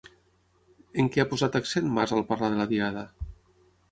En què ha posat accent Mas al parlar de la Diada?